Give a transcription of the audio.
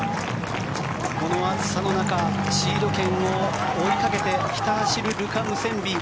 この暑さの中シード権を追いかけてひた走るルカ・ムセンビ。